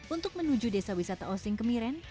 untuk menuju desa wisata osing kemiren